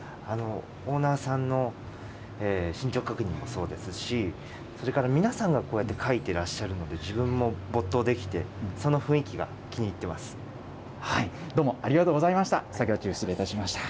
オーナーさんの進捗確認もそうですし、それから皆さんがこうやって書いてらっしゃるので、自分も没頭できて、その雰囲気が気に入どうもありがとうございました。